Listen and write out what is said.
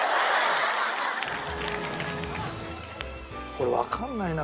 これわかんないな。